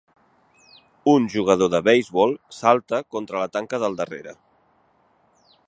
Un jugador de beisbol salta contra la tanca del darrere.